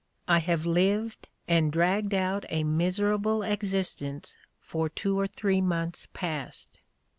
I have lived and dragged out a miserable existence for two or three months past.